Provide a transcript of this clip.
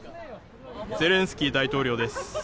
ゼレンスキー大統領です。